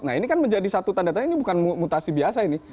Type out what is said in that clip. nah ini kan menjadi satu tanda tanya ini bukan mutasi biasa ini